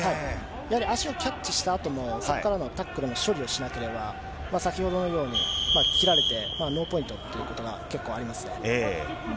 やはり足をキャッチしたあとも、そこからのタックルの処理をしなければ、先ほどのように切られて、ノーポイントということが結構あります。